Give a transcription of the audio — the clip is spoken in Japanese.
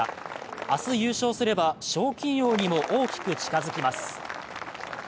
明日優勝すれば、賞金王にも大きく近づきます。